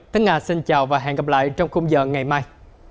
tấn nga xin chào và hẹn gặp lại trong khung giờ ngày mai